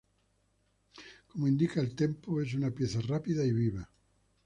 Como indica el "tempo", es una pieza rápida y viva.